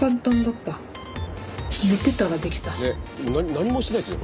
何もしてないっすよ